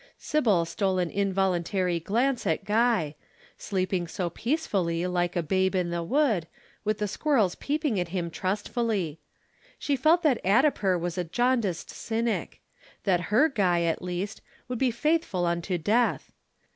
Sybil stole an involuntary glance at Guy sleeping so peacefully like a babe in the wood, with the squirrels peeping at him trustfully. She felt that Addiper was a jaundiced cynic that her Guy at least would be faithful unto death.